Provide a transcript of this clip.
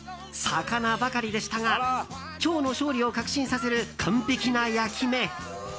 魚ばかりでしたが今日の勝利を確信させる完璧な焼き目。